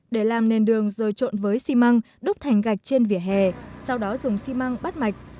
để làm nền đường rồi trộn với xi măng đúc thành gạch trên vỉa hè sau đó dùng xi măng bắt mạch